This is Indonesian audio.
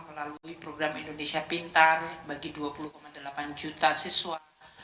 melalui program indonesia pintar bagi dua puluh delapan juta siswa